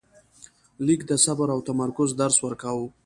لیک د صبر او تمرکز درس ورکاوه.